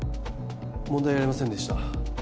問題ありませんでした